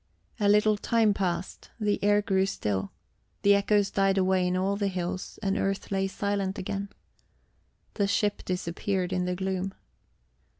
A little time passed; the air grew still, the echoes died away in all the hills, and earth lay silent again. The ship disappeared in the gloom.